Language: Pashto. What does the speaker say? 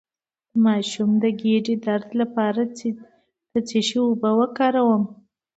د ماشوم د ګیډې درد لپاره د څه شي اوبه ورکړم؟